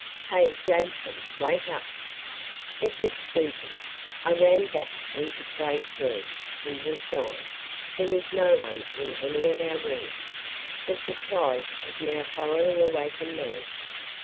"Hey Jameson wake up!" It was spooky. I ran back into Craig's room. He was gone. There was no one in any of our rooms. The surprise had now thoroughly awakened me.